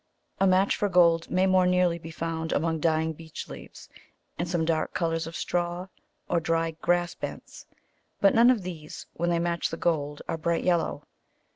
A match for gold may more nearly be found among dying beech leaves, and some dark colours of straw or dry grass bents, but none of these when they match the gold are bright yellow.